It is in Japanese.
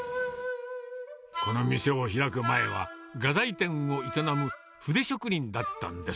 この店を開く前は、画材店を営む筆職人だったんです。